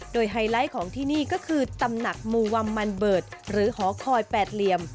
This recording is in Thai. โดยไฮไลท์ของที่นี่ก็คือตำหนักมูวัมมันเบิดหรือหอคอยแปดเหลี่ยม